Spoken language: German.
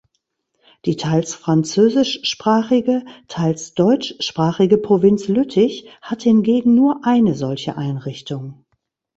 Die teils französischsprachige, teils deutschsprachige Provinz Lüttich hat hingegen nur eine solche Einrichtung.